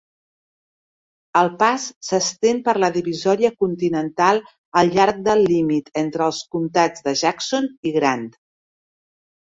El pas s'estén per la divisòria continental al llarg del límit entre els comtats de Jackson i Grand.